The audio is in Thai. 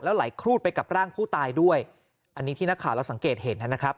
ไหลครูดไปกับร่างผู้ตายด้วยอันนี้ที่นักข่าวเราสังเกตเห็นนะครับ